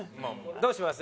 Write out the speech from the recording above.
どうします？